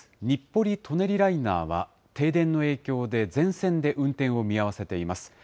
日暮里・舎人ライナーは、停電の影響で、全線で運転を見合わせています。